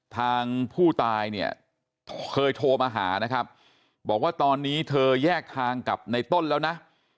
ทางผู้ตายเนี่ยเคยโทรมาหานะครับบอกว่าตอนนี้เธอแยกทางกับในต้นแล้วนะ